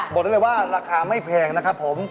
บอกได้เลยว่าราคาไม่แพง